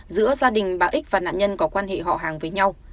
giữa gia đình bà ích và nạn nhân có quan hệ họ hàng với nhau